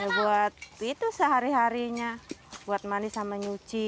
ya buat itu sehari harinya buat mandi sama nyuci